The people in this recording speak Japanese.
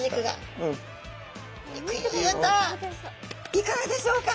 いかがでしょうか？